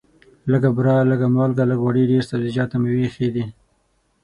لږه بوره، لږه مالګه، لږ غوړي، ډېر سبزیجات او مېوې ښه دي.